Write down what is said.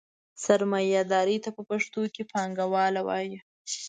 سرمایهداري ته پښتو کې پانګواله وایي.